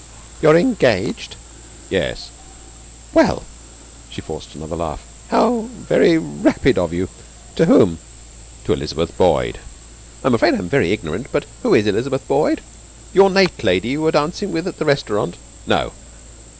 'You're engaged?' 'Yes.' 'Well!' She forced another laugh. 'How very rapid of you! To whom?' 'To Elizabeth Boyd.' 'I'm afraid I'm very ignorant, but who is Elizabeth Boyd? The ornate lady you were dancing with at the restaurant?' 'No!'